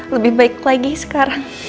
lebih baik lagi sekarang